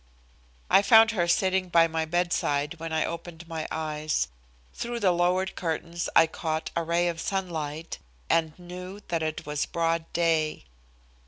I found her sitting by my bedside when I opened my eyes. Through the lowered curtains I caught a ray of sunlight, and knew that it was broad day.